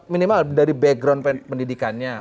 minimal dari background pendidikannya